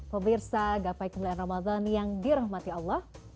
pemirsa gapai kemuliaan ramadan yang dirahmati allah